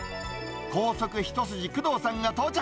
高速一筋、工藤さんが到着。